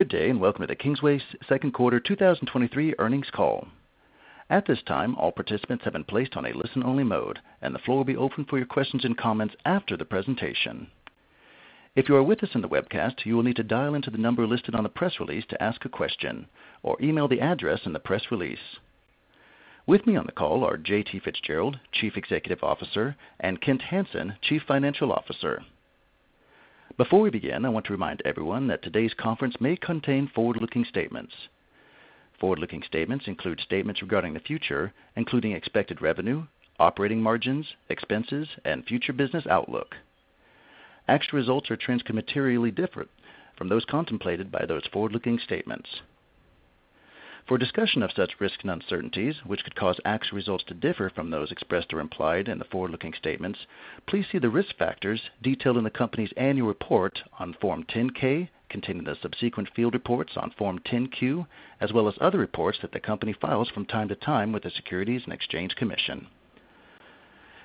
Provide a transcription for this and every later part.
Good day, and welcome to the Kingsway Q2 2023 earnings call. At this time, all participants have been placed on a listen-only mode, and the floor will be open for your questions and comments after the presentation. If you are with us in the webcast, you will need to dial into the number listed on the press release to ask a question, or email the address in the press release. With me on the call are J.T. Fitzgerald, Chief Executive Officer, and Kent Hansen, Chief Financial Officer. Before we begin, I want to remind everyone that today's conference may contain forward-looking statements. Forward-looking statements include statements regarding the future, including expected revenue, operating margins, expenses, and future business outlook. Actual results or trends can materially differ from those contemplated by those forward-looking statements. For a discussion of such risks and uncertainties, which could cause actual results to differ from those expressed or implied in the forward-looking statements, please see the risk factors detailed in the company's annual report on Form 10-K, containing the subsequent field reports on Form 10-Q, as well as other reports that the company files from time to time with the Securities and Exchange Commission.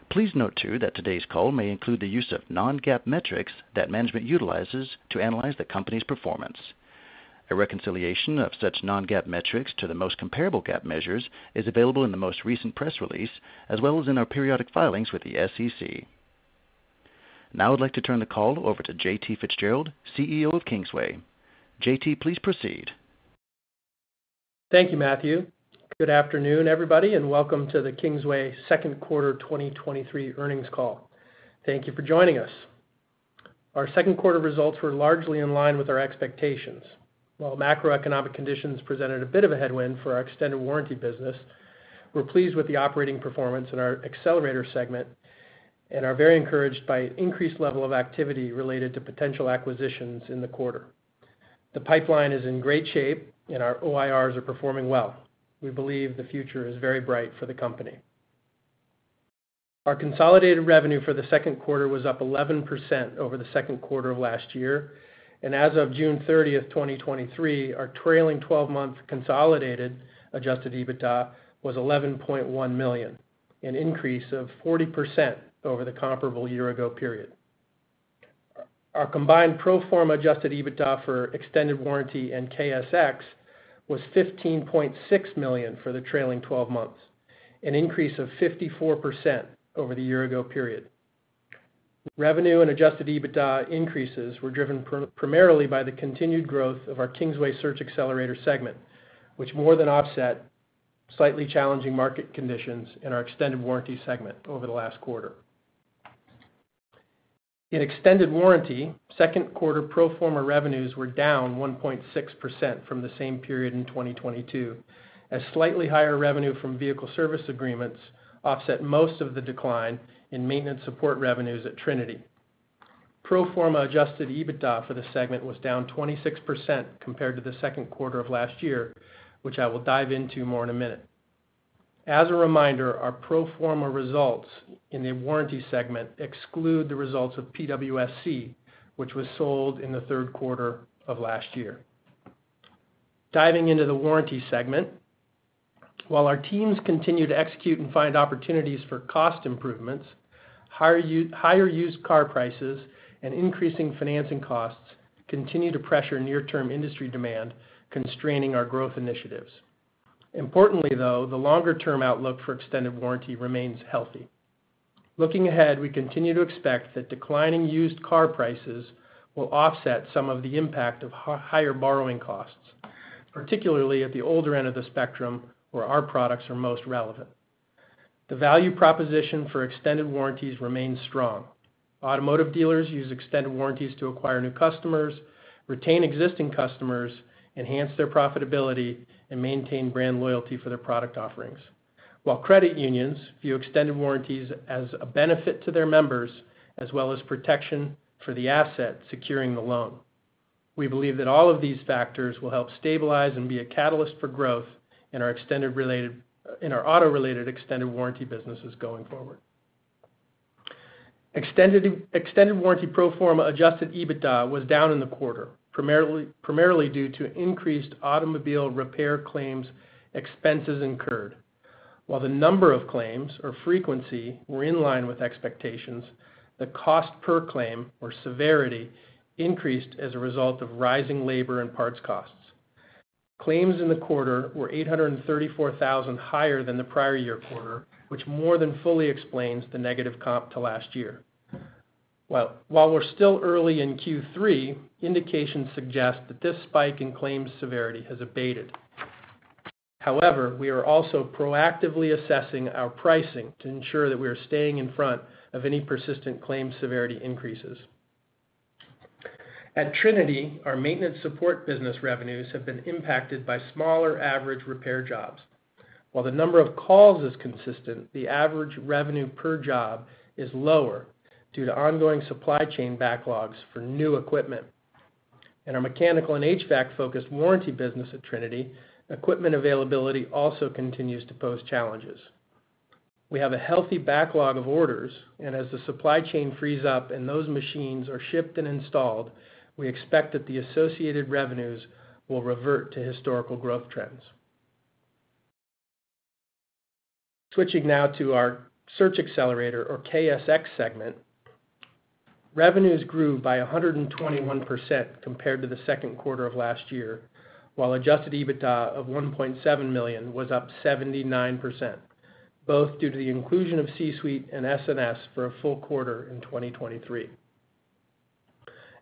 Please note, too, that today's call may include the use of Non-GAAP metrics that management utilizes to analyze the company's performance. A reconciliation of such Non-GAAP metrics to the most comparable GAAP measures is available in the most recent press release, as well as in our periodic filings with the SEC. Now I'd like to turn the call over to J.T. Fitzgerald, CEO of Kingsway. J.T., please proceed. Thank you, Matthew. Good afternoon, everybody, and welcome to the Kingsway Q2 2023 earnings call. Thank you for joining us. Our Q2 results were largely in line with our expectations. While macroeconomic conditions presented a bit of a headwind for our extended warranty business, we're pleased with the operating performance in our accelerator segment and are very encouraged by increased level of activity related to potential acquisitions in the quarter. The pipeline is in great shape and our OIRs are performing well. We believe the future is very bright for the company. Our consolidated revenue for the Q2 was up 11% over the Q2 of last year, and as of June 30th, 2023, our trailing twelve-month consolidated adjusted EBITDA was $11.1 million, an increase of 40% over the comparable year-ago period. Our combined pro forma adjusted EBITDA for extended warranty and KSX was $15.6 million for the trailing twelve months, an increase of 54% over the year-ago period. Revenue and adjusted EBITDA increases were driven primarily by the continued growth of our Kingsway Search Xcelerator segment, which more than offset slightly challenging market conditions in our extended warranty segment over the last quarter. In extended warranty, Q2 pro forma revenues were down 1.6% from the same period in 2022, as slightly higher revenue from vehicle service agreements offset most of the decline in maintenance support revenues at Trinity. Pro forma adjusted EBITDA for the segment was down 26% compared to the Q2 of last year, which I will dive into more in a minute. As a reminder, our pro forma results in the warranty segment exclude the results of PWSC, which was sold in the Q3 of last year. Diving into the warranty segment, while our teams continue to execute and find opportunities for cost improvements, higher used car prices and increasing financing costs continue to pressure near-term industry demand, constraining our growth initiatives. Importantly, though, the longer-term outlook for extended warranty remains healthy. Looking ahead, we continue to expect that declining used car prices will offset some of the impact of higher borrowing costs, particularly at the older end of the spectrum, where our products are most relevant. The value proposition for extended warranties remains strong. Automotive dealers use extended warranties to acquire new customers, retain existing customers, enhance their profitability, and maintain brand loyalty for their product offerings. While credit unions view extended warranties as a benefit to their members, as well as protection for the asset securing the loan. We believe that all of these factors will help stabilize and be a catalyst for growth in our extended related in our auto-related extended warranty businesses going forward. Extended warranty pro forma adjusted EBITDA was down in the quarter, primarily due to increased automobile repair claims expenses incurred. While the number of claims or frequency were in line with expectations, the cost per claim or severity increased as a result of rising labor and parts costs. Claims in the quarter were $834,000 higher than the prior year quarter, which more than fully explains the negative comp to last year. Well, while we're still early in Q3, indications suggest that this spike in claims severity has abated. However, we are also proactively assessing our pricing to ensure that we are staying in front of any persistent claims severity increases. At Trinity, our maintenance support business revenues have been impacted by smaller average repair jobs. While the number of calls is consistent, the average revenue per job is lower due to ongoing supply chain backlogs for new equipment. In our mechanical and HVAC-focused warranty business at Trinity, equipment availability also continues to pose challenges. We have a healthy backlog of orders, and as the supply chain frees up and those machines are shipped and installed, we expect that the associated revenues will revert to historical growth trends. Switching now to our Search Accelerator, or KSX segment. Revenues grew by 121% compared to the Q2 of last year, while adjusted EBITDA of $1.7 million was up 79%, both due to the inclusion of C-Suite and SNS for a full quarter in 2023.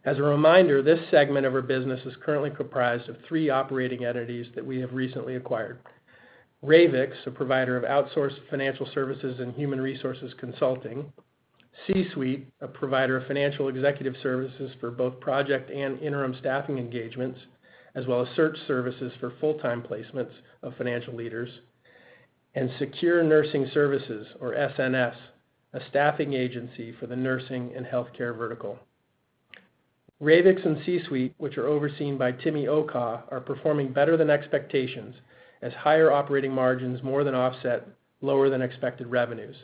As a reminder, this segment of our business is currently comprised of three operating entities that we have recently acquired: Ravix, a provider of outsourced financial services and human resources consulting, C-Suite, a provider of financial executive services for both project and interim staffing engagements, as well as search services for full-time placements of financial leaders, and Secure Nursing Service, or SNS, a staffing agency for the nursing and healthcare vertical. Ravix and C-Suite, which are overseen by Timi Okah, are performing better than expectations as higher operating margins more than offset lower than expected revenues.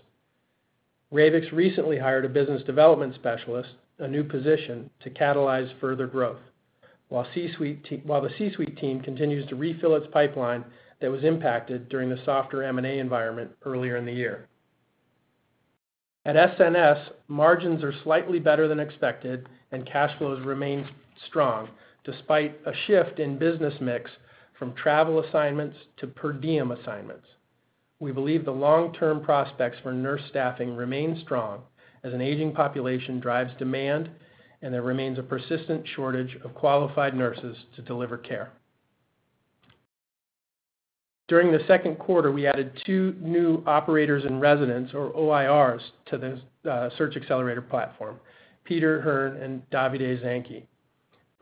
Ravix recently hired a business development specialist, a new position, to catalyze further growth. While the C-Suite team continues to refill its pipeline that was impacted during the softer M&A environment earlier in the year. At SNS, margins are slightly better than expected, and cash flows remain strong despite a shift in business mix from travel assignments to per diem assignments. We believe the long-term prospects for nurse staffing remain strong as an aging population drives demand, and there remains a persistent shortage of qualified nurses to deliver care. During the Q2, we added two new operators and residents, or OIRs, to the Search Xcelerator platform, Peter Hearn and Davide Zanchi.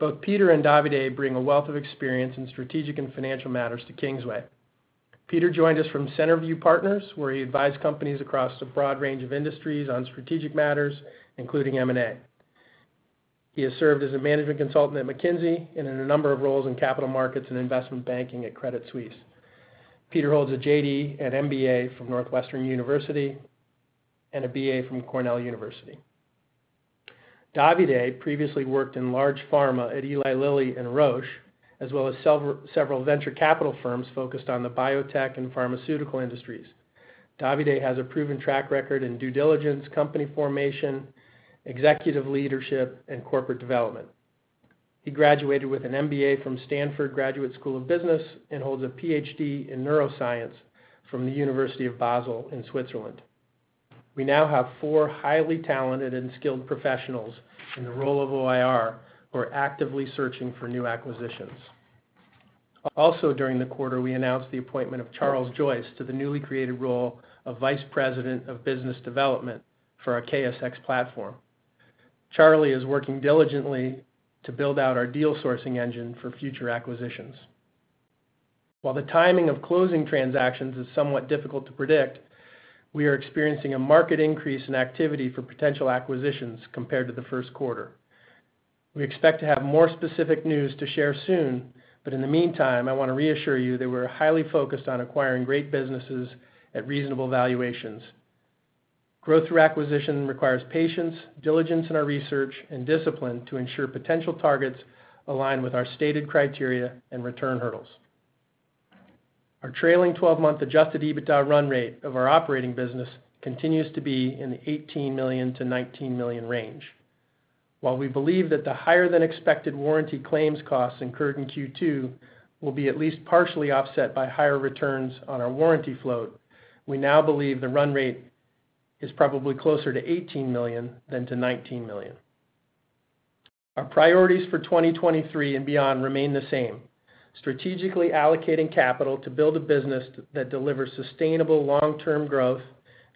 Both Peter and Davide bring a wealth of experience in strategic and financial matters to Kingsway. Peter joined us from Centerview Partners, where he advised companies across a broad range of industries on strategic matters, including M&A. He has served as a management consultant at McKinsey and in a number of roles in capital markets and investment banking at Credit Suisse. Peter holds a JD and MBA from Northwestern University and a BA from Cornell University. Davide previously worked in large pharma at Eli Lilly and Roche, as well as several venture capital firms focused on the biotech and pharmaceutical industries. Davide has a proven track record in due diligence, company formation, executive leadership, and corporate development. He graduated with an MBA from Stanford Graduate School of Business and holds a PhD in neuroscience from the University of Basel in Switzerland. We now have four highly talented and skilled professionals in the role of OIR, who are actively searching for new acquisitions. During the quarter, we announced the appointment of Charles Joyce to the newly created role of Vice President of Business Development for our KSX platform. Charlie is working diligently to build out our deal sourcing engine for future acquisitions. While the timing of closing transactions is somewhat difficult to predict, we are experiencing a market increase in activity for potential acquisitions compared to the Q1. We expect to have more specific news to share soon, in the meantime, I want to reassure you that we're highly focused on acquiring great businesses at reasonable valuations. Growth through acquisition requires patience, diligence in our research, and discipline to ensure potential targets align with our stated criteria and return hurdles. Our trailing twelve-month adjusted EBITDA run rate of our operating business continues to be in the $18 million-$19 million range. While we believe that the higher-than-expected warranty claims costs incurred in Q2 will be at least partially offset by higher returns on our warranty float, we now believe the run rate is probably closer to $18 million than to $19 million. Our priorities for 2023 and beyond remain the same: strategically allocating capital to build a business that delivers sustainable long-term growth,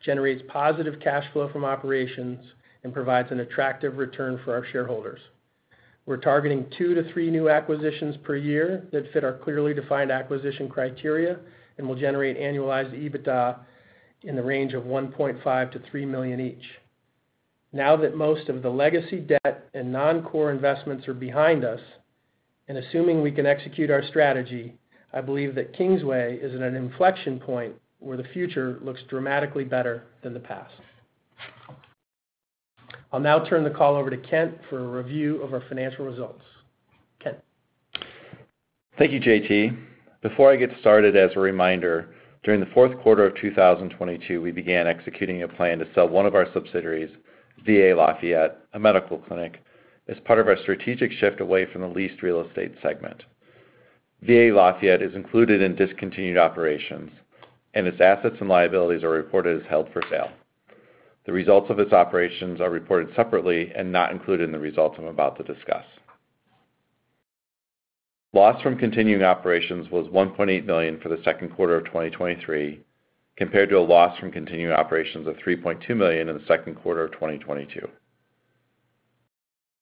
generates positive cash flow from operations, and provides an attractive return for our shareholders. We're targeting 2-3 new acquisitions per year that fit our clearly defined acquisition criteria and will generate annualized EBITDA in the range of $1.5 million-$3 million each. Now that most of the legacy debt and non-core investments are behind us, and assuming we can execute our strategy, I believe that Kingsway is at an inflection point where the future looks dramatically better than the past. I'll now turn the call over to Kent for a review of our financial results. Kent? Thank you, JT. Before I get started, as a reminder, during the Q4 of 2022, we began executing a plan to sell one of our subsidiaries, VA Lafayette, a medical clinic, as part of our strategic shift away from the leased real estate segment. VA Lafayette is included in discontinued operations, and its assets and liabilities are reported as held for sale. The results of its operations are reported separately and not included in the results I'm about to discuss. Loss from continuing operations was $1.8 million for the Q2 of 2023, compared to a loss from continuing operations of $3.2 million in the Q2 of 2022.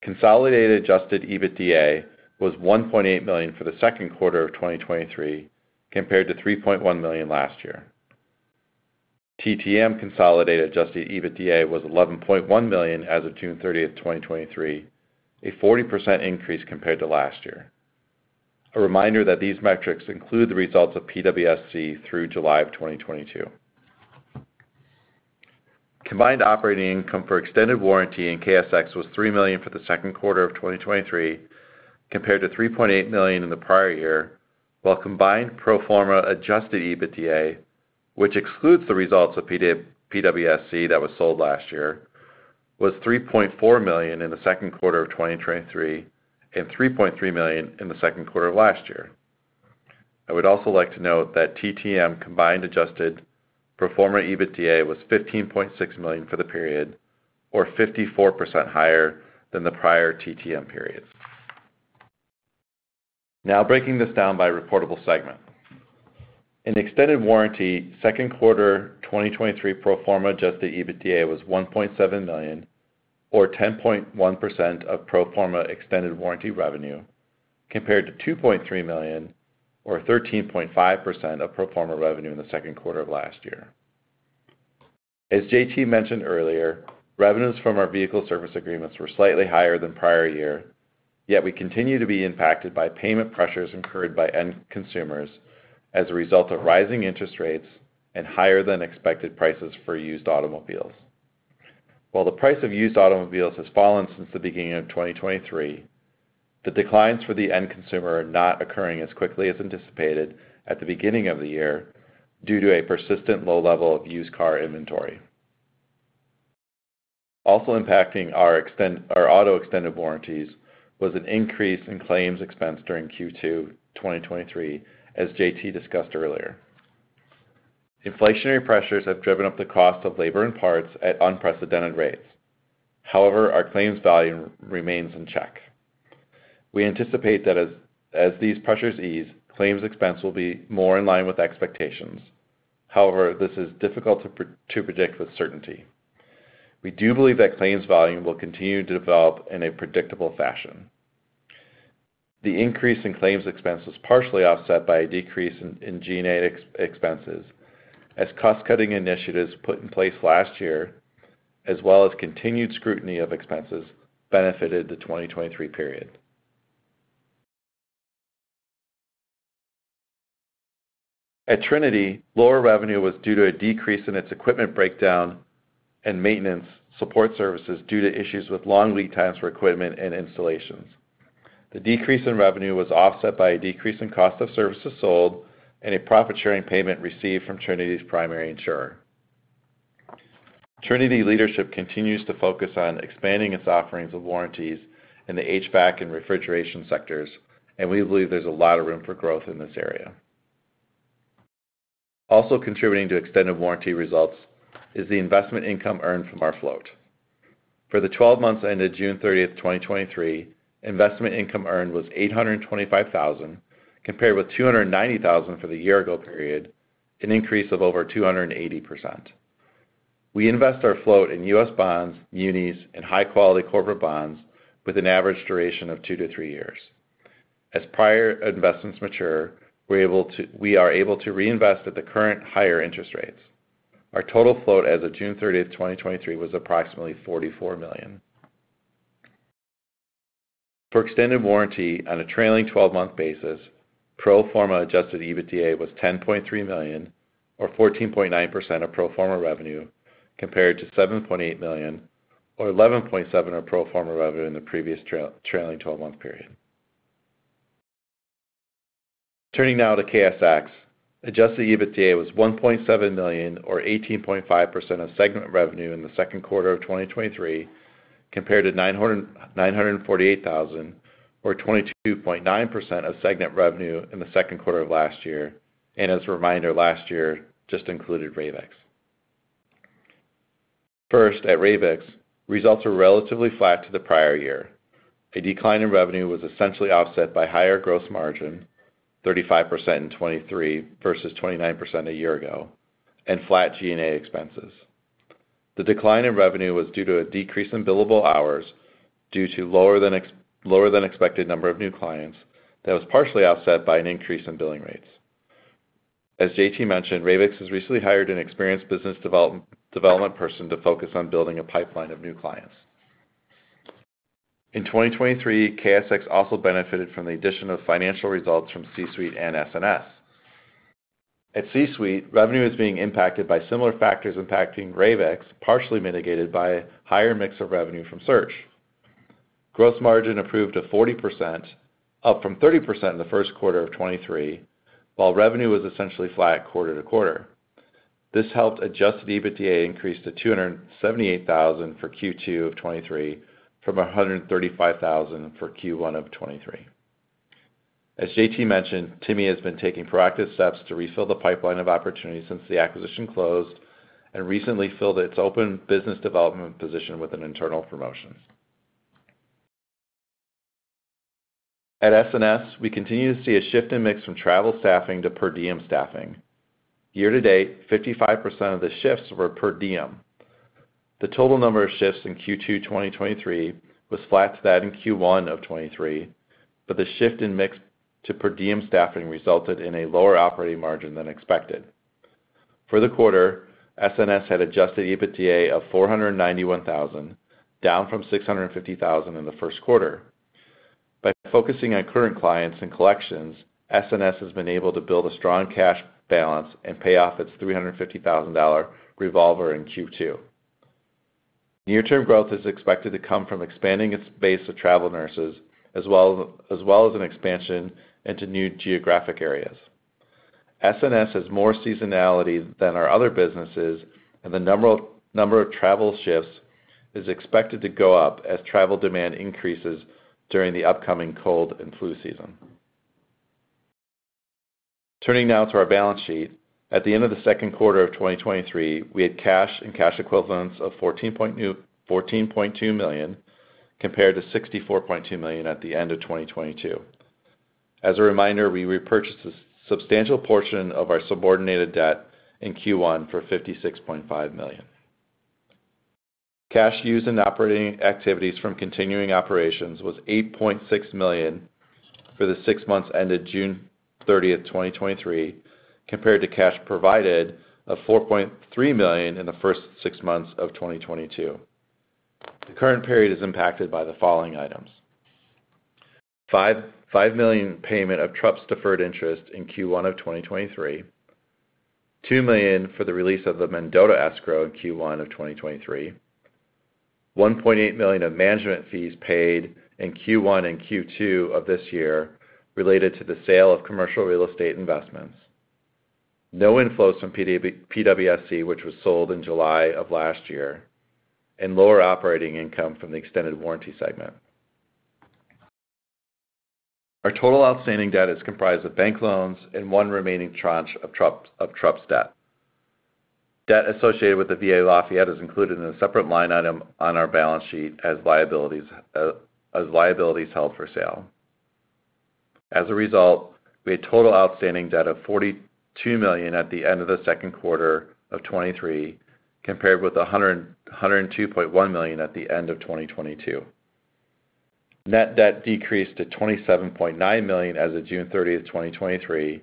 Consolidated adjusted EBITDA was $1.8 million for the Q2 of 2023, compared to $3.1 million last year. TTM consolidated adjusted EBITDA was $11.1 million as of June 30th, 2023, a 40% increase compared to last year. A reminder that these metrics include the results of PWSC through July of 2022. Combined operating income for extended warranty in KSX was $3 million for the Q2 of 2023, compared to $3.8 million in the prior year. While combined pro forma adjusted EBITDA, which excludes the results of PWSC that was sold last year, was $3.4 million in the Q2 of 2023 and $3.3 million in the Q2 of last year. I would also like to note that TTM combined adjusted pro forma EBITDA was $15.6 million for the period, or 54% higher than the prior TTM period. Now breaking this down by reportable segment. In extended warranty, Q2 2023 pro forma adjusted EBITDA was $1.7 million, or 10.1% of pro forma extended warranty revenue, compared to $2.3 million, or 13.5% of pro forma revenue in the Q2 of last year. As JT mentioned earlier, revenues from our vehicle service agreements were slightly higher than prior year, yet we continue to be impacted by payment pressures incurred by end consumers as a result of rising interest rates and higher than expected prices for used automobiles. While the price of used automobiles has fallen since the beginning of 2023, the declines for the end consumer are not occurring as quickly as anticipated at the beginning of the year due to a persistent low level of used car inventory. Impacting our auto extended warranties was an increase in claims expense during Q2 2023, as JT discussed earlier. Inflationary pressures have driven up the cost of labor and parts at unprecedented rates. Our claims volume remains in check. We anticipate that as these pressures ease, claims expense will be more in line with expectations. This is difficult to predict with certainty. We do believe that claims volume will continue to develop in a predictable fashion. The increase in claims expense was partially offset by a decrease in G&A expenses, as cost-cutting initiatives put in place last year, as well as continued scrutiny of expenses, benefited the 2023 period. At Trinity, lower revenue was due to a decrease in its equipment breakdown and maintenance support services due to issues with long lead times for equipment and installations. The decrease in revenue was offset by a decrease in cost of services sold and a profit-sharing payment received from Trinity's primary insurer. Trinity leadership continues to focus on expanding its offerings of warranties in the HVAC and refrigeration sectors, and we believe there's a lot of room for growth in this area. Also contributing to extended warranty results is the investment income earned from our float. For the 12 months ended June 30, 2023, investment income earned was $825,000, compared with $290,000 for the year ago period, an increase of over 280%. We invest our float in US bonds, munis, and high-quality corporate bonds with an average duration of 2-3 years. As prior investments mature, we are able to reinvest at the current higher interest rates. Our total float as of June 30th, 2023, was approximately $44 million. For extended warranty on a trailing-twelve-month basis, pro forma adjusted EBITDA was $10.3 million, or 14.9% of pro forma revenue, compared to $7.8 million, or 11.7% of pro forma revenue in the previous trailing twelve-month period. Turning now to KSX. Adjusted EBITDA was $1.7 million, or 18.5% of segment revenue in the Q2 of 2023, compared to $948,000, or 22.9% of segment revenue in the Q2 of last year. As a reminder, last year just included Ravix. First, at Ravix, results were relatively flat to the prior year. A decline in revenue was essentially offset by higher gross margin, 35% in 2023 versus 29% a year ago, and flat G&A expenses. The decline in revenue was due to a decrease in billable hours due to lower than expected number of new clients that was partially offset by an increase in billing rates. As J.T. mentioned, Ravix has recently hired an experienced business development person to focus on building a pipeline of new clients. In 2023, KSX also benefited from the addition of financial results from C-Suite and SNS. At C-Suite, revenue is being impacted by similar factors impacting Ravix, partially mitigated by a higher mix of revenue from search. Gross margin improved to 40%, up from 30% in the Q1 of 2023, while revenue was essentially flat quarter to quarter. This helped adjust EBITDA increase to $278,000 for Q2 2023, from $135,000 for Q1 2023. As J.T. mentioned, Timi has been taking proactive steps to refill the pipeline of opportunities since the acquisition closed and recently filled its open business development position with an internal promotion. At SNS, we continue to see a shift in mix from travel staffing to per diem staffing. Year to date, 55% of the shifts were per diem. The total number of shifts in Q2 2023 was flat to that in Q1 2023, but the shift in mix to per diem staffing resulted in a lower operating margin than expected. For the quarter, SNS had adjusted EBITDA of $491,000, down from $650,000 in the Q1. By focusing on current clients and collections, SNS has been able to build a strong cash balance and pay off its $350,000 revolver in Q2. Near-term growth is expected to come from expanding its base of travel nurses, as well as an expansion into new geographic areas. SNS has more seasonality than our other businesses, and the number of travel shifts is expected to go up as travel demand increases during the upcoming cold and flu season. Turning now to our balance sheet. At the end of the Q2 of 2023, we had cash and cash equivalents of $14.2 million, compared to $64.2 million at the end of 2022. As a reminder, we repurchased a substantial portion of our subordinated debt in Q1 for $56.5 million. Cash used in operating activities from continuing operations was $8.6 million for the six months ended June 30th, 2023, compared to cash provided of $4.3 million in the first six months of 2022. The current period is impacted by the following items: $5.5 million payment of TruPs deferred interest in Q1 of 2023, $2 million for the release of the Mendota escrow in Q1 of 2023, $1.8 million of management fees paid in Q1 and Q2 of this year related to the sale of commercial real estate investments, no inflows from PWSC, which was sold in July of last year, and lower operating income from the extended warranty segment. Our total outstanding debt is comprised of bank loans and one remaining tranche of TruPs, of TruPs debt. Debt associated with the VA Lafayette is included in a separate line item on our balance sheet as liabilities, as liabilities held for sale. As a result, we had total outstanding debt of $42 million at the end of the Q2 of 2023, compared with $102.1 million at the end of 2022. Net debt decreased to $27.9 million as of June 30th, 2023,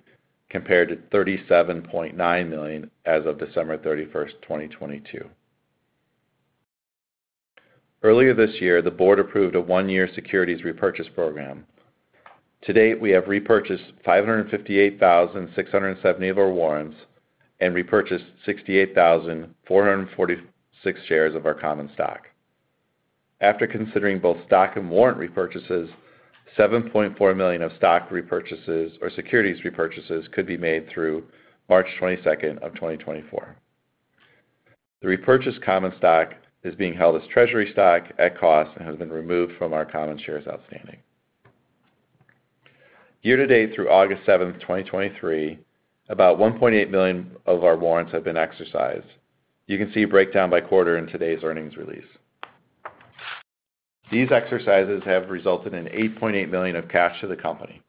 compared to $37.9 million as of December 31st, 2022. Earlier this year, the board approved a 1-year securities repurchase program. To date, we have repurchased 558,670 of our warrants and repurchased 68,446 shares of our common stock. After considering both stock and warrant repurchases, $7.4 million of stock repurchases or securities repurchases could be made through March 22nd, 2024. The repurchased common stock is being held as treasury stock at cost and has been removed from our common shares outstanding. Year to date through August 7th, 2023, about $1.8 million of our warrants have been exercised. You can see a breakdown by quarter in today's earnings release. These exercises have resulted in $8.8 million of cash to the company.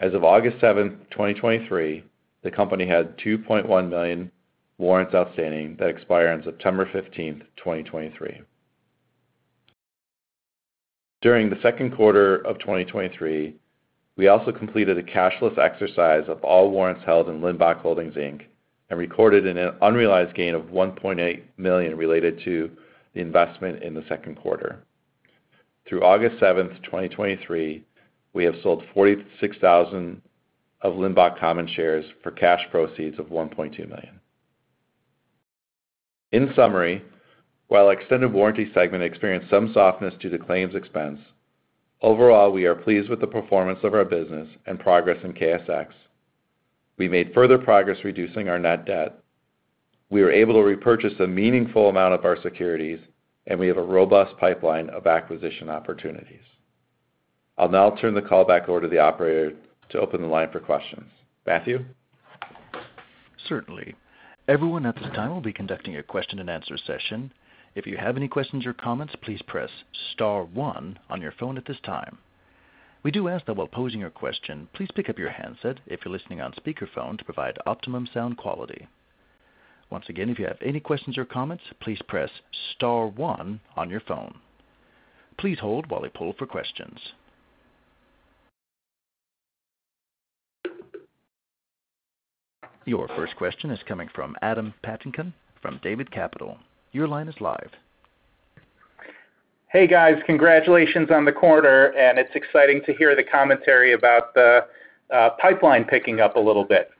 As of August 7th, 2023, the company had $2.1 million warrants outstanding that expire on September 15th, 2023. During the Q2 of 2023, we also completed a cashless exercise of all warrants held in Limbach Holdings, Inc., and recorded an unrealized gain of $1.8 million related to the investment in the Q2. Through August 7th, 2023, we have sold 46,000 of Limbach common shares for cash proceeds of $1.2 million. In summary, while extended warranty segment experienced some softness due to claims expense, overall, we are pleased with the performance of our business and progress in KSX. We made further progress reducing our net debt. We were able to repurchase a meaningful amount of our securities, and we have a robust pipeline of acquisition opportunities. I'll now turn the call back over to the operator to open the line for questions. Matthew? Certainly. Everyone at this time will be conducting a question-and-answer session. If you have any questions or comments, please press star one on your phone at this time. We do ask that while posing your question, please pick up your handset if you're listening on speakerphone, to provide optimum sound quality. Once again, if you have any questions or comments, please press star one on your phone. Please hold while we pull for questions. Your first question is coming from Adam Patinkin from David Capital. Your line is live. Hey, guys, congratulations on the quarter, and it's exciting to hear the commentary about the pipeline picking up a little bit.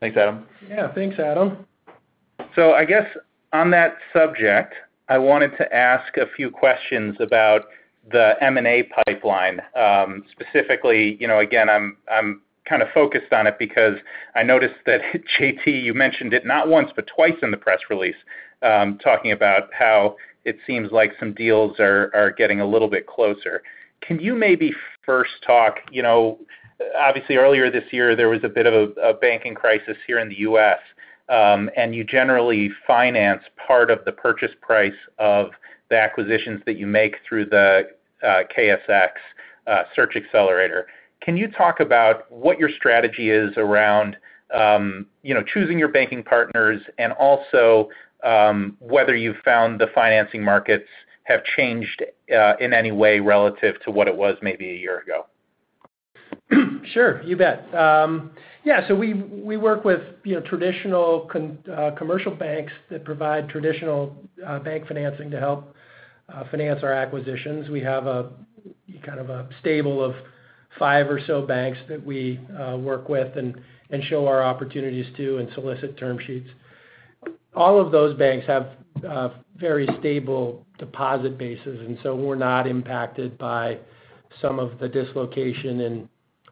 Thanks, Adam. Yeah, thanks, Adam. I guess on that subject, I wanted to ask a few questions about the M&A pipeline. Specifically, you know, again, I'm, I'm kind of focused on it because I noticed that JT, you mentioned it not once, but twice in the press release, talking about how it seems like some deals are, are getting a little bit closer. Can you maybe first talk, you know, obviously, earlier this year, there was a bit of a, a banking crisis here in the U.S., and you generally finance part of the purchase price of the acquisitions that you make through the KSX search accelerator. Can you talk about what your strategy is around, you know, choosing your banking partners and also, whether you've found the financing markets have changed in any way relative to what it was maybe a year ago? Sure, you bet. Yeah, so we, we work with, you know, traditional commercial banks that provide traditional bank financing to help finance our acquisitions. We have a, kind of a stable of five or so banks that we work with and, and show our opportunities to and solicit term sheets. All of those banks have very stable deposit bases, and so we're not impacted by some of the dislocation in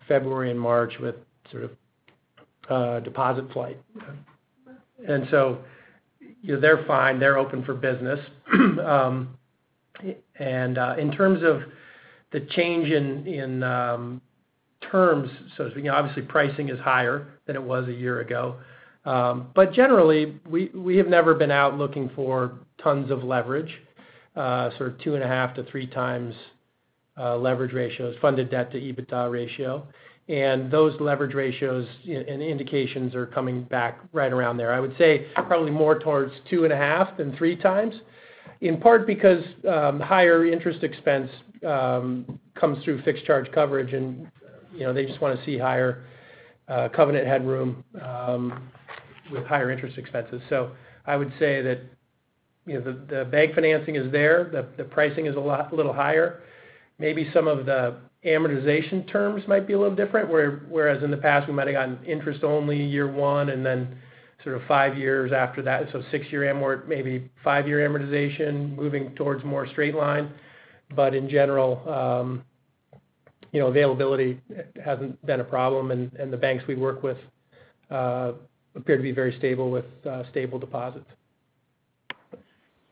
February and March with sort of deposit flight. You know, they're fine. They're open for business. And, in terms of the change in, in, terms, so as we-- obviously, pricing is higher than it was a year ago. Generally, we, we have never been out looking for tons of leverage, 2.5 to 3 times leverage ratios, funded debt to EBITDA ratio. Those leverage ratios and indications are coming back right around there. I would say probably more towards 2.5 than 3 times, in part because, higher interest expense, comes through fixed charge coverage and, you know, they just want to see higher covenant headroom with higher interest expenses. I would say that, you know, the bank financing is there. The pricing is a little higher. Maybe some of the amortization terms might be a little different, whereas in the past, we might have gotten interest only year 1, and then 5 years after that. Six-year maybe five-year amortization, moving towards more straight line. In general, you know, availability hasn't been a problem, and, and the banks we work with, appear to be very stable with, stable deposits.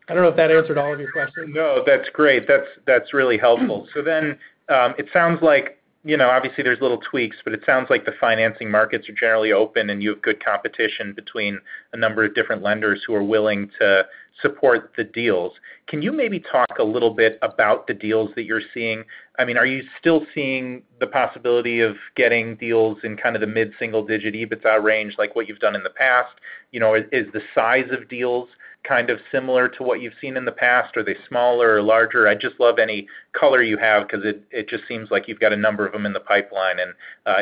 I don't know if that answered all of your questions? No, that's great. That's, that's really helpful. It sounds like, you know, obviously, there's little tweaks, but it sounds like the financing markets are generally open, and you have good competition between a number of different lenders who are willing to support the deals. Can you maybe talk a little bit about the deals that you're seeing? I mean, are you still seeing the possibility of getting deals in kind of the mid-single-digit EBITDA range, like what you've done in the past? You know, is, is the size of deals kind of similar to what you've seen in the past, or are they smaller or larger? I'd just love any color you have because it, it just seems like you've got a number of them in the pipeline, and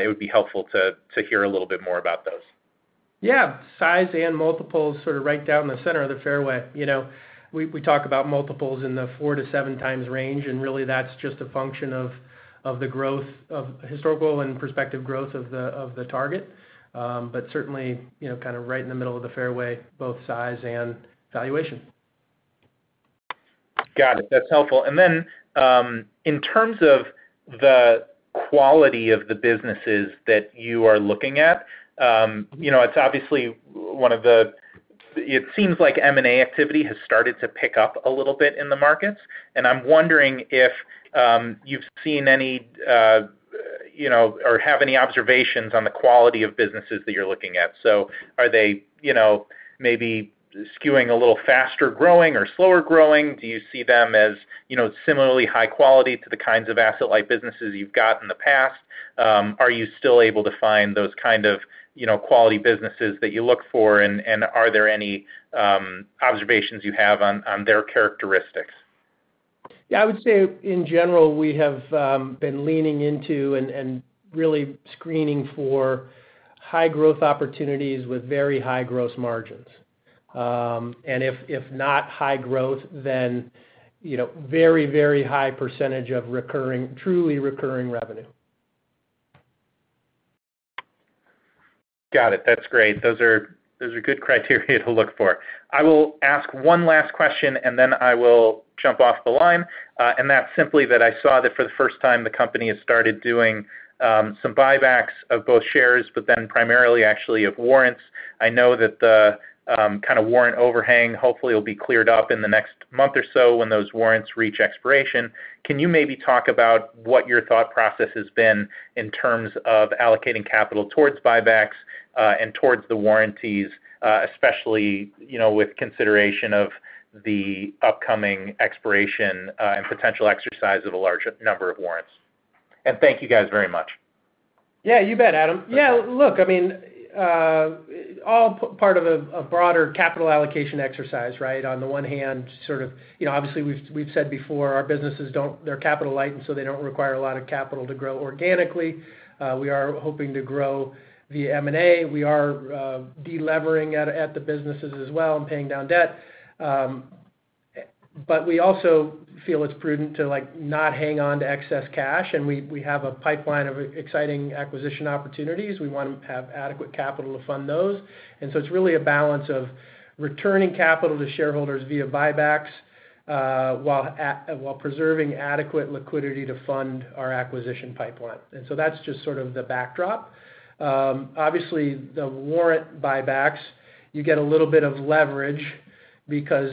it would be helpful to, to hear a little bit more about those. Yeah. Size and multiples sort of right down the center of the fairway. You know, we, we talk about multiples in the 4-7x range, really, that's just a function of, of the growth of... historical and prospective growth of the, of the target. Certainly, you know, kind of right in the middle of the fairway, both size and valuation. Got it. That's helpful. Then, in terms of the quality of the businesses that you are looking at, you know, it's obviously it seems like M&A activity has started to pick up a little bit in the markets, and I'm wondering if, you've seen any, you know, or have any observations on the quality of businesses that you're looking at. Are they, you know, maybe skewing a little faster growing or slower growing? Do you see them as, you know, similarly high quality to the kinds of asset-light businesses you've got in the past? Are you still able to find those kind of, you know, quality businesses that you look for, and, and are there any, observations you have on, on their characteristics? Yeah, I would say, in general, we have been leaning into and really screening for high growth opportunities with very high gross margins. If not high growth, then, you know, very, very high percentage of recurring, truly recurring revenue. Got it. That's great. Those are, those are good criteria to look for. I will ask one last question, and then I will jump off the line, and that's simply that I saw that for the first time, the company has started doing some buybacks of both shares, but then primarily actually of warrants. I know that the kind of warrant overhang hopefully will be cleared up in the next month or so when those warrants reach expiration. Can you maybe talk about what your thought process has been in terms of allocating capital towards buybacks, and towards the warranties, especially, you know, with consideration of the upcoming expiration, and potential exercise of a large number of warrants? Thank you guys very much. Yeah, you bet, Adam. Yeah, look, I mean, all part of a broader capital allocation exercise, right? On the one hand, sort of, you know, obviously, we've said before, our businesses don't, they're capital light, and so they don't require a lot of capital to grow organically. We are hoping to grow via M&A. We are de-levering at the businesses as well and paying down debt. We also feel it's prudent to, like, not hang on to excess cash, and we have a pipeline of exciting acquisition opportunities. We want to have adequate capital to fund those. So it's really a balance of returning capital to shareholders via buybacks, while preserving adequate liquidity to fund our acquisition pipeline. So that's just sort of the backdrop. Obviously, the warrant buybacks, you get a little bit of leverage because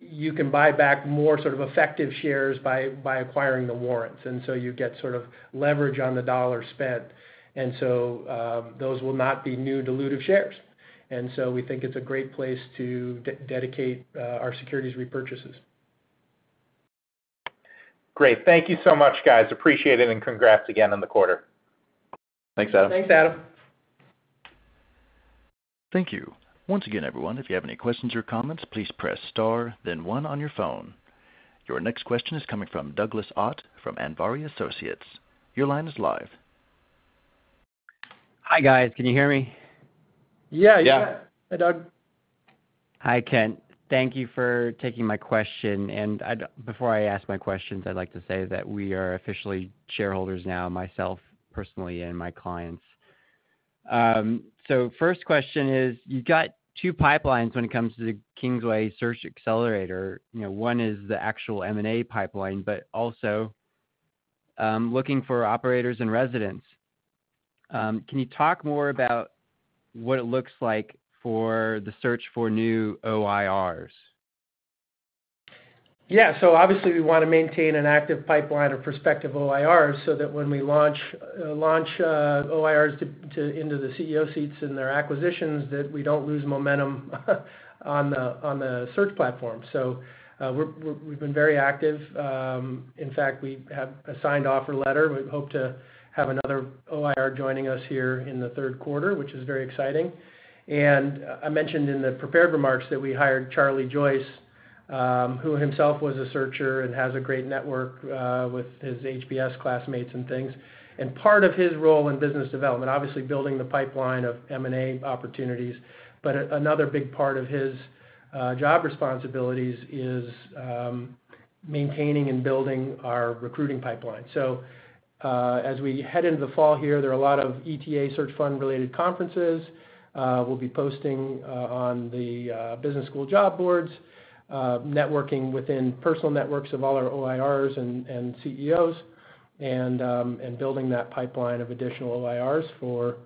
you can buy back more sort of effective shares by, by acquiring the warrants, and so you get sort of leverage on the dollar spent. Those will not be new dilutive shares. We think it's a great place to dedicate our securities repurchases. Great. Thank you so much, guys. Appreciate it. Congrats again on the quarter. Thanks, Adam. Thanks, Adam. Thank you. Once again, everyone, if you have any questions or comments, please press Star, then one on your phone. Your next question is coming from Douglas Ott from Andvari Associates. Your line is live. Hi, guys. Can you hear me? Yeah, Yeah. Hi, Doug. Hi, Kent. Thank you for taking my question. Before I ask my questions, I'd like to say that we are officially shareholders now, myself, personally, and my clients. First question is: you've got 2 pipelines when it comes to the Kingsway Search Xcelerator. You know, one is the actual M&A pipeline, but also, looking for operators and residents. Can you talk more about what it looks like for the search for new OIRs? Yeah. Obviously, we want to maintain an active pipeline of prospective OIRs so that when we launch, launch OIRs into the CEO seats and their acquisitions, that we don't lose momentum on the search platform. We're, we've been very active. In fact, we have a signed offer letter. We hope to have another OIR joining us here in the Q3, which is very exciting. I mentioned in the prepared remarks that we hired Charlie Joyce, who himself was a searcher and has a great network with his HBS classmates and things. Part of his role in business development, obviously, building the pipeline of M&A opportunities, but another big part of his job responsibilities is maintaining and building our recruiting pipeline. As we head into the fall here, there are a lot of ETA search fund-related conferences. We'll be posting on the business school job boards, networking within personal networks of all our OIRs and CEOs, and building that pipeline of additional OIRs for,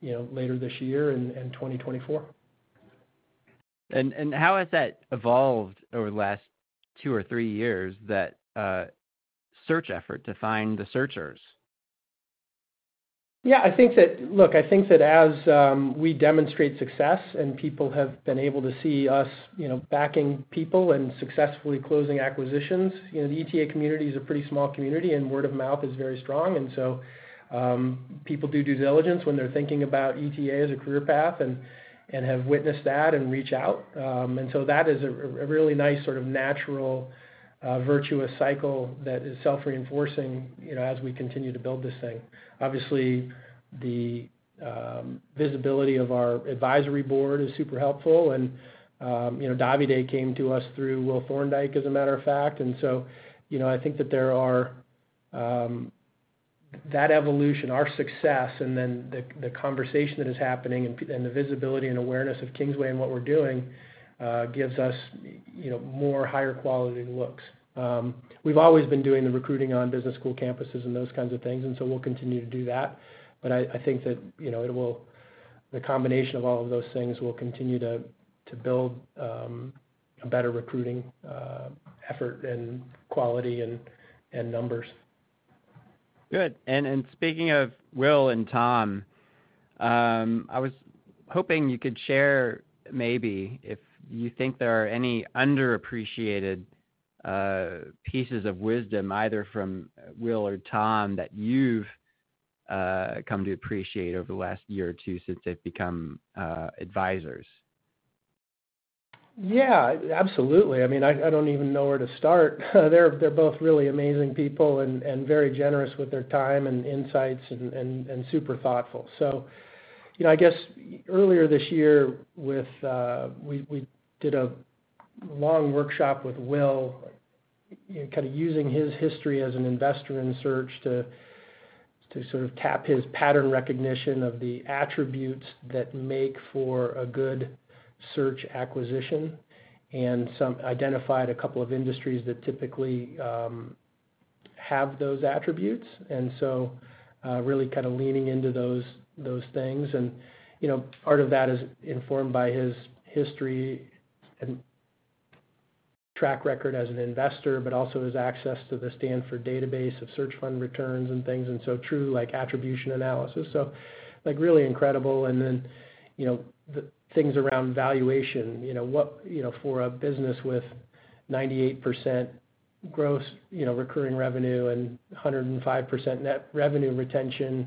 you know, later this year in 2024. How has that evolved over the last two or three years, that, search effort to find the searchers? Yeah, I think that... Look, I think that as we demonstrate success and people have been able to see us, you know, backing people and successfully closing acquisitions, you know, the ETA community is a pretty small community, and word of mouth is very strong, and so people do due diligence when they're thinking about ETA as a career path and, and have witnessed that and reach out. And so that is a, a really nice sort of natural, virtuous cycle that is self-reinforcing, you know, as we continue to build this thing. Obviously, the visibility of our advisory board is super helpful, and, you know, Davide came to us through Will Thorndike, as a matter of fact. You know, I think that there are, that evolution, our success, and then the, the conversation that is happening and the visibility and awareness of Kingsway and what we're doing, gives us, you know, more higher quality looks. We've always been doing the recruiting on business school campuses and those kinds of things, and so we'll continue to do that. I, I think that, you know, the combination of all of those things will continue to, to build, a better recruiting, effort and quality and, and numbers. Good. Speaking of Will and Tom, I was hoping you could share, maybe, if you think there are any underappreciated pieces of wisdom, either from Will or Tom, that you've come to appreciate over the last year or two since they've become advisors. Yeah, absolutely. I mean, I, I don't even know where to start. They're, they're both really amazing people and, and very generous with their time and insights and, and, and super thoughtful. You know, I guess earlier this year, with we, we did a long workshop with Will, kind of using his history as an investor in search to, to sort of tap his pattern recognition of the attributes that make for a good search acquisition, identified a couple of industries that typically have those attributes, and really kind of leaning into those, those things. You know, part of that is informed by his history and track record as an investor, but also his access to the Stanford database of search fund returns and things, and true, like, attribution analysis. Like, really incredible. Then, you know, the things around valuation, you know, for a business with 98% gross, you know, recurring revenue and 105% net revenue retention,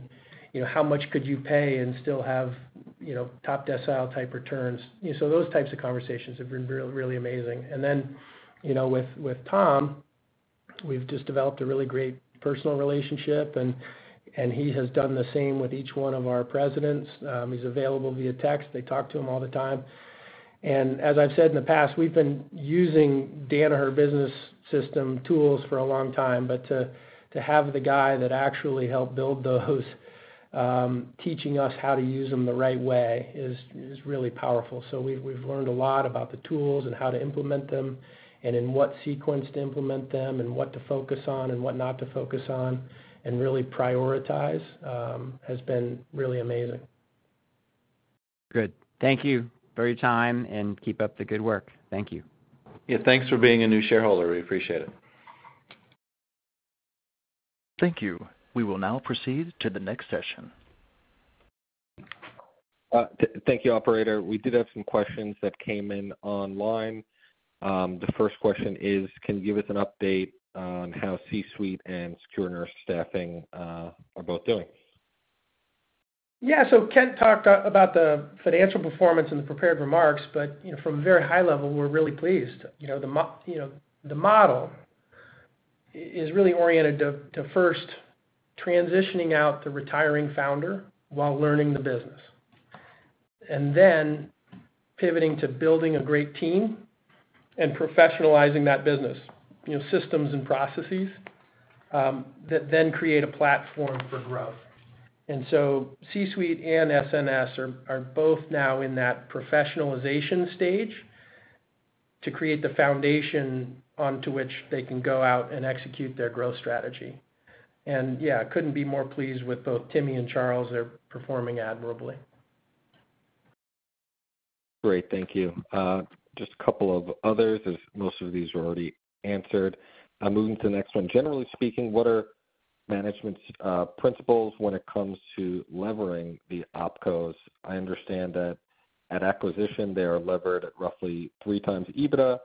you know, how much could you pay and still have, you know, top decile type returns? Those types of conversations have been really amazing. Then, you know, with Tom, we've just developed a really great personal relationship, and he has done the same with each one of our presidents. He's available via text. They talk to him all the time. As I've said in the past, we've been using Danaher Business System tools for a long time, but to have the guy that actually helped build those, teaching us how to use them the right way is really powerful. we've, we've learned a lot about the tools and how to implement them and in what sequence to implement them and what to focus on and what not to focus on and really prioritize, has been really amazing. Good. Thank you for your time. Keep up the good work. Thank you. Yeah, thanks for being a new shareholder. We appreciate it. Thank you. We will now proceed to the next session. Thank you, operator. We did have some questions that came in online. The first question is: can you give us an update on how C-Suite and Secure Nurse Staffing are both doing? Kent talked about the financial performance in the prepared remarks, but, you know, from a very high level, we're really pleased. You know, the model is really oriented to, to first transitioning out the retiring founder while learning the business, and then pivoting to building a great team and professionalizing that business. You know, systems and processes that then create a platform for growth. C-Suite and SNS are both now in that professionalization stage to create the foundation onto which they can go out and execute their growth strategy. Couldn't be more pleased with both Timmy and Charles. They're performing admirably. Great. Thank you. just a couple of others, as most of these were already answered. I'm moving to the next one. Generally speaking, what are management's principles when it comes to levering the opcos? I understand that at acquisition, they are levered at roughly 3x EBITDA,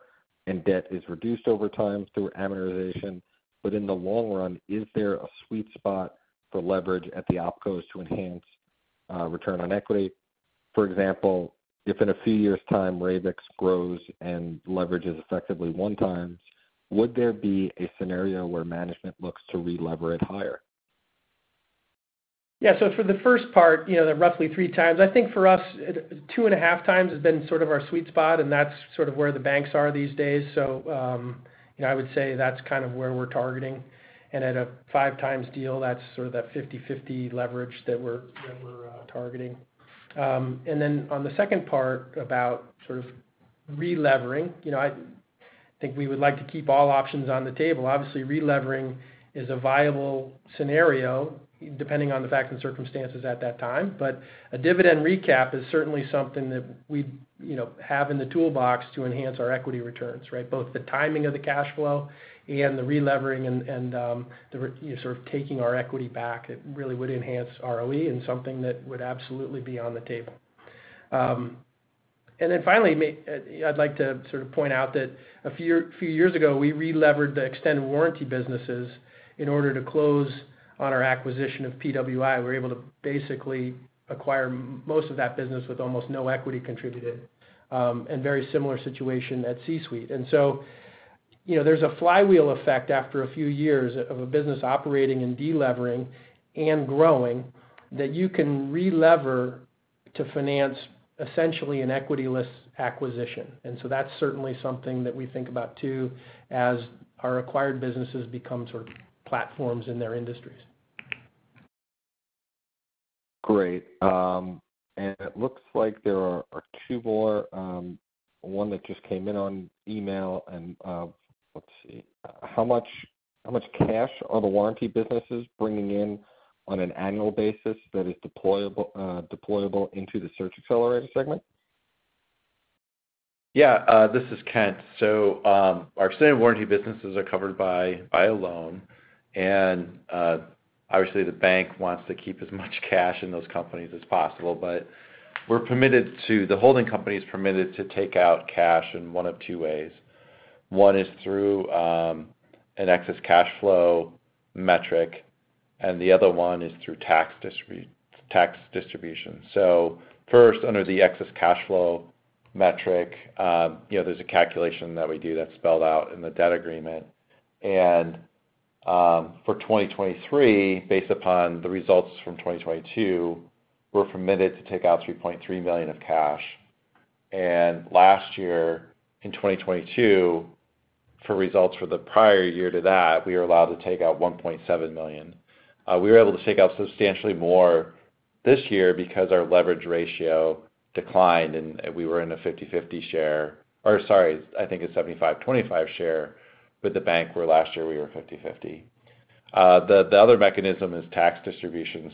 and debt is reduced over time through amortization. In the long run, is there a sweet spot for leverage at the opcos to enhance return on equity? For example, if in a few years' time, Ravix grows and leverage is effectively 1x, would there be a scenario where management looks to relever it higher? Yeah. For the first part, you know, the roughly 3x, I think for us, it 2.5x has been sort of our sweet spot, and that's sort of where the banks are these days. You know, I would say that's kind of where we're targeting. At a 5x deal, that's sort of that 50/50 leverage that we're, that we're targeting. Then on the second part about sort of relevering, you know, I think we would like to keep all options on the table. Obviously, relevering is a viable scenario, depending on the facts and circumstances at that time. A dividend recap is certainly something that we'd, you know, have in the toolbox to enhance our equity returns, right. Both the timing of the cash flow and the relevering and, and, the sort of taking our equity back, it really would enhance ROE and something that would absolutely be on the table. Then finally, I'd like to sort of point out that a few years ago, we relevered the extended warranty businesses in order to close on our acquisition of PWI. We were able to basically acquire most of that business with almost no equity contributed, and very similar situation at C-Suite. So, you know, there's a flywheel effect after a few years of a business operating and delevering and growing, that you can relever to finance essentially an equityless acquisition. So that's certainly something that we think about, too, as our acquired businesses become sort of platforms in their industries. Great. It looks like there are, are two more. One that just came in on email, and, let's see. How much, how much cash are the warranty businesses bringing in on an annual basis that is deployable, deployable into the Search Xcelerator segment? Yeah, this is Kent. Our extended warranty businesses are covered by, by a loan, and obviously, the bank wants to keep as much cash in those companies as possible. The holding company is permitted to take out cash in one of two ways. One is through an excess cash flow metric, and the other one is through tax distribution. First, under the excess cash flow metric, you know, there's a calculation that we do that's spelled out in the debt agreement. For 2023, based upon the results from 2022, we're permitted to take out $3.3 million of cash. Last year, in 2022, for results for the prior year to that, we were allowed to take out $1.7 million. We were able to take out substantially more this year because our leverage ratio declined, and we were in a 50/50 share. Sorry, I think a 75/25 share with the bank, where last year we were 50/50. The other mechanism is tax distribution.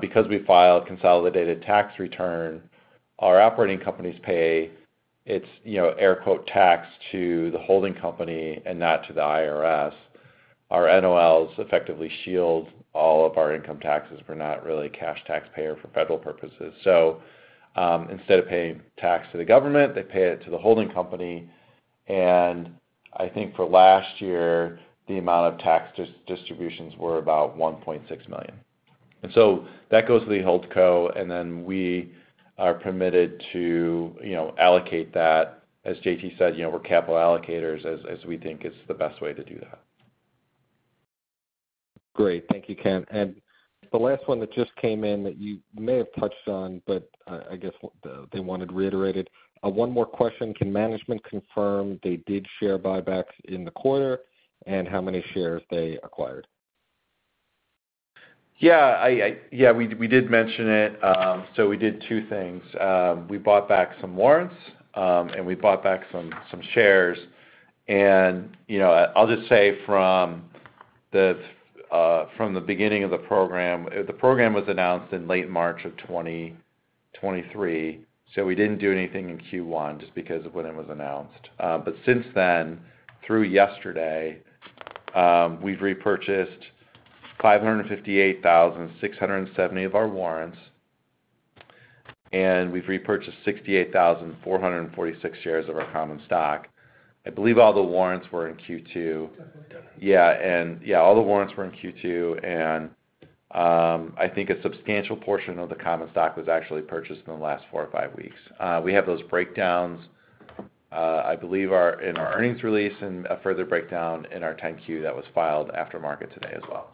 Because we file a consolidated tax return, our operating companies pay its, you know, air quote, "tax" to the holding company and not to the IRS. Our NOLs effectively shield all of our income taxes. We're not really a cash taxpayer for federal purposes. Instead of paying tax to the government, they pay it to the holding company, and I think for last year, the amount of tax distributions were about $1.6 million. That goes to the holdco, and then we are permitted to, you know, allocate that. As JT said, you know, we're capital allocators, as we think is the best way to do that. Great. Thank you, Kent. The last one that just came in, that you may have touched on, but I guess they wanted reiterated. One more question: Can management confirm they did share buybacks in the quarter, and how many shares they acquired? Yeah, I, I-- yeah, we, we did mention it. We did two things. We bought back some warrants, and we bought back some, some shares. You know, I'll just say from the, from the beginning of the program, the program was announced in late March of 2023, so we didn't do anything in Q1 just because of when it was announced. Since then, through yesterday, we've repurchased 558,670 of our warrants, and we've repurchased 68,446 shares of our common stock. I believe all the warrants were in Q2. Yeah, and, yeah, all the warrants were in Q2, and, I think a substantial portion of the common stock was actually purchased in the last 4 or 5 weeks. We have those breakdowns, I believe, in our earnings release and a further breakdown in our 10-Q that was filed after market today as well.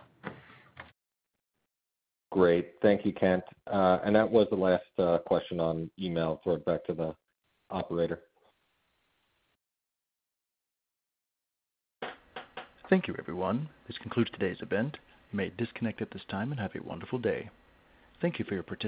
Great. Thank you, Kent. That was the last question on email, so back to the operator. Thank you, everyone. This concludes today's event. You may disconnect at this time, and have a wonderful day. Thank you for your participation.